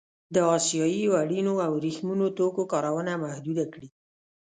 د اسیايي وړینو او ورېښمينو توکو کارونه محدوده کړي.